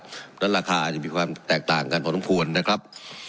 เพราะฉะนั้นราคาอาจจะมีความแตกต่างกันพอสมควรนะครับ